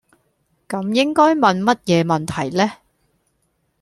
咁應該問乜嘢問題呢?